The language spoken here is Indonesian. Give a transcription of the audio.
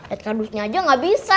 ad kadusnya aja gak bisa